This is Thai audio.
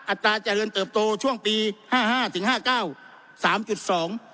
ตราเจริญเติบโตช่วงปีห้าห้าถึงห้าเก้าสามจุดสอง